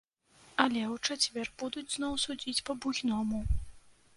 Але ў чацвер будуць зноў судзіць па-буйному.